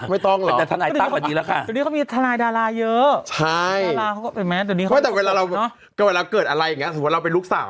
ก็ต้องหากคุณแม่ค่ะช่วยหนูนะค่ะ